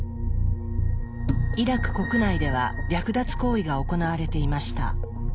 イラク国内では略奪行為が行われていました。